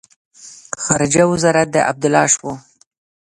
خارجه وزارت د عبدالله شو.